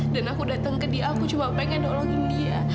dan aku datang ke dia aku cuma pengen nolongin dia